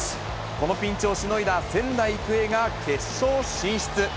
このピンチをしのいだ仙台育英が決勝進出。